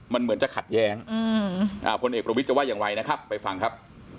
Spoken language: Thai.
มันเหมือนจะขัดแย้งพลเอกประวิทย์จะว่าอย่างไรนะครับไปฟังครับ